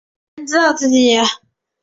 没有人知道自己